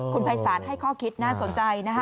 คุณภัยศาลให้ข้อคิดน่าสนใจนะคะ